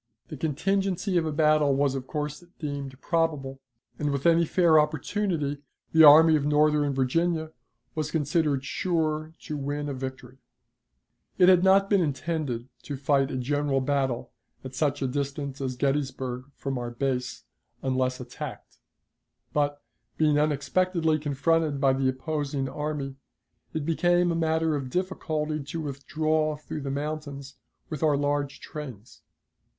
The contingency of a battle was of course deemed probable, and, with any fair opportunity, the Army of Northern Virginia was considered sure to win a victory. [Illustration: Lieutenant General James Longstreet] It had not been intended to fight a general battle at such a distance as Gettysburg from our base, unless attacked; but, being unexpectedly confronted by the opposing army, it became a matter of difficulty to withdraw through the mountains with our large trains.